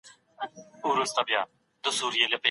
علمي تحقیق بې دلیله نه تړل کیږي.